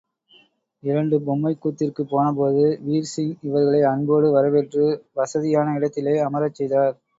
இரண்டு பொம்மைக்கூத்திற்குப் போனபோது வீர்சீங் இவர்களை அன்போடு வரவேற்று, வசதியான இடத்திலே அமரச் செய்தார்.